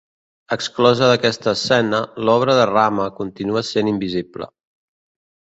Exclosa d'aquesta escena, l'obra de Rama continua sent invisible.